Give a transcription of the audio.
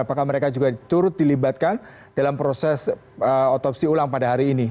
apakah mereka juga turut dilibatkan dalam proses otopsi ulang pada hari ini